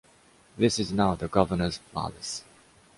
This is now the Governor’s palace.